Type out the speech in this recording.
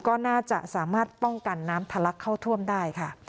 ก็น่าจะสามารถป้องกันน้ำทะลักเข้าท่วมได้ค่ะ